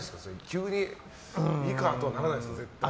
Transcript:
急に、いいかとはならないんですか、絶対。